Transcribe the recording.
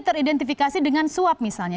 teridentifikasi dengan suap misalnya